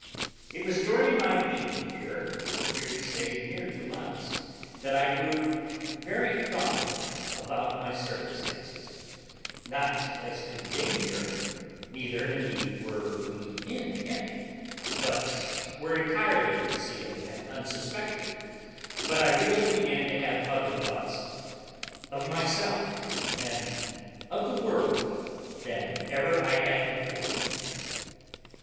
It was during my being here, for here we stayed near two months, that I grew very thoughtful about my circumstances; not as to the danger, neither indeed were we in any, but were entirely concealed and unsuspected; but I really began to have other thoughts of myself, and of the world, than ever I had before.